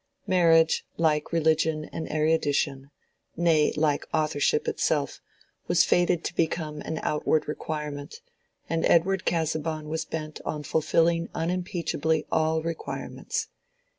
Marriage, like religion and erudition, nay, like authorship itself, was fated to become an outward requirement, and Edward Casaubon was bent on fulfilling unimpeachably all requirements.